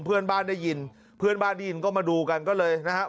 เพื่อนบ้านได้ยินเพื่อนบ้านได้ยินก็มาดูกันก็เลยนะฮะ